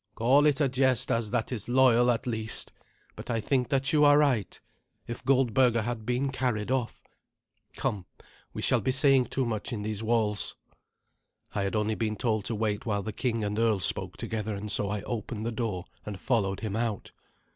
"Call it a jest, as that is loyal, at least. But I think that you are right. If Goldberga had been carried off Come, we shall be saying too much in these walls." I had only been told to wait while the king and earl spoke together, and so I opened the door and followed him out.